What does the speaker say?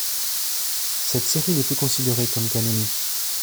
Cette série n'est plus considérée comme canonique.